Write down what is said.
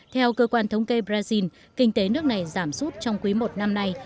theo cơ quan thống kê brazil kinh tế nước này giảm sút trong quý i năm nay